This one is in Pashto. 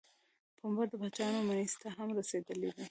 پنېر د باچاهانو مېز ته هم رسېدلی دی.